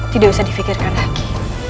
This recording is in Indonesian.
tidak usah difikirkan lagi